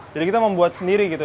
jadi kita membuat sendiri gitu